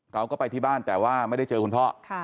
เราก็ไปที่บ้านแต่ว่าไม่ได้เจอคุณพ่อ